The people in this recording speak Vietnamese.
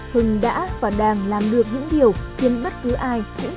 hưng đã và đang làm được những điều khiến bất cứ ai cũng phải trầm trồ hữu mộ